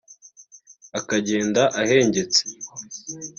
akagenda ahengetse